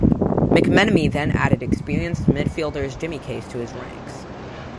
McMenemy then added experienced midfielder Jimmy Case to his ranks.